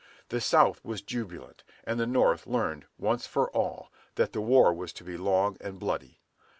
The South was jubilant, and the North learned, once for all, that the war was to be long and bloody.